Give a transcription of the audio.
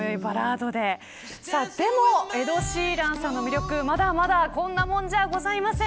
でもエド・シーランさんの魅力まだまだこんなもんじゃあございません。